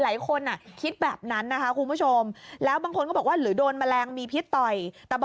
หลายคนคิดแบบนั้นนะคะคุณผู้ชมแล้วบางคนก็บอกว่าหรือโดนแมลงมีพิษต่อยแต่พอ